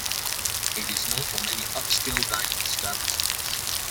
It is known for many upscale dining establishments.